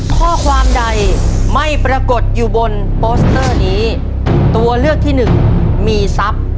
ข้อความใดไม่ปรากฏอยู่บนโปสเตอร์นี้ตัวเลือกที่หนึ่งมีทรัพย์